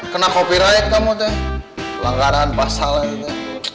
kena copyright kamu teh langgaran pasalnya